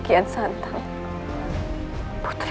kita tunggu sementara